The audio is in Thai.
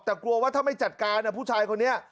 แต่กลัวว่าถ้าไม่จัดการผู้ชายคนนี้